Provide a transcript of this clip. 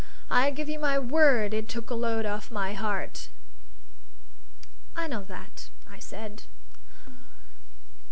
I give you my word it took a load off my heart." "I know that," I said.